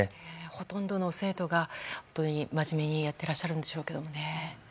ほとんどの生徒が真面目にやってらっしゃるんでしょうけどね。